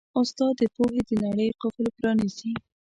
استاد د پوهې د نړۍ قفل پرانیزي.